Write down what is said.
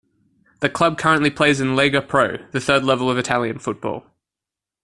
The club currently plays in Lega Pro, the third level of Italian football.